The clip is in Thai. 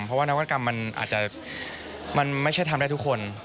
เพราะว่านวัตกรรมมันไม่ใช่ทำได้ทุกคน